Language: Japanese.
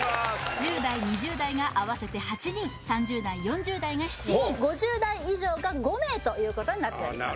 １０代２０代が合わせて８人３０代４０代が７人５０代以上が５名ということになっております